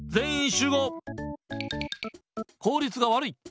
効率が悪い。